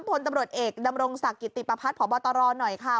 พลตำรวจเอกดำรงศักดิ์กิติประพัฒน์พบตรหน่อยค่ะ